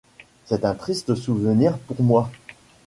C’est un triste souvenir pour moi.